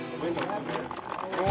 うわ！